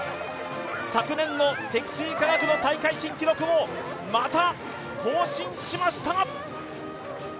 昨年の積水化学の大会新記録をまた更新しました！